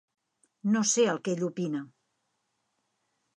No sé el que ell opina.